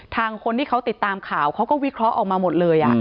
คนที่เขาติดตามข่าวเขาก็วิเคราะห์ออกมาหมดเลย